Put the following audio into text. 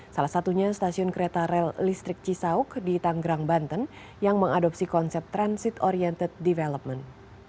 salah satunya stasiun kereta rel listrik cisauk di tanggerang banten yang mengadopsi konsep transit oriented development